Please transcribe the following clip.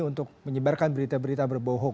untuk menyebarkan berita berita berbohok